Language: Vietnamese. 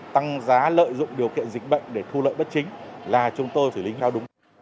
tăng giá lợi dụng điều kiện dịch bệnh để thu lợi bất chính là chúng tôi xử lý theo đúng